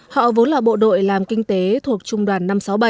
họ vốn là bộ đội làm kinh tế thuộc trung đoàn năm trăm sáu mươi bảy